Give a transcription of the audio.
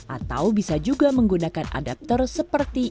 atau bisa juga menggunakan adapter seperti